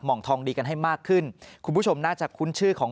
งทองดีกันให้มากขึ้นคุณผู้ชมน่าจะคุ้นชื่อของ